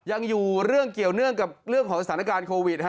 ยังอยู่เรื่องเกี่ยวเนื่องกับเรื่องของสถานการณ์โควิด